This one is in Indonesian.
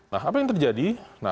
nah apa yang terjadi